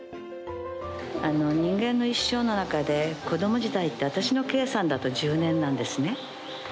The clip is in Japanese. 人間の一生の中で子供時代って私の計算だと１０年なんですね。